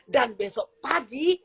dan besok pagi